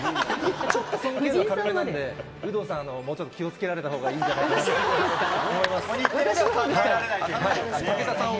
ちょっと尊敬度が軽めなんで、有働さん、もうちょっと気をつけられたほうがいいんじゃないかと思います。